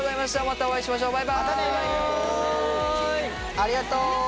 ありがとう！